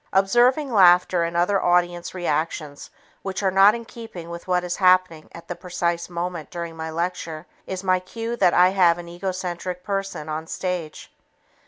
Observing laughter and other audience reactions which are not in keeping with what is happening at the precise moment during my lecture is my cue that I have an egocentric person on stage.